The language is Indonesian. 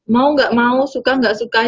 mau gak mau suka gak suka